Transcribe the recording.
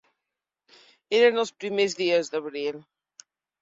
Eren els primers dies d'abril…